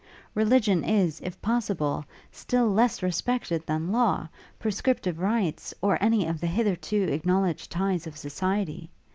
Religion is, if possible, still less respected than law, prescriptive rights, or any of the hitherto acknowledged ties of society.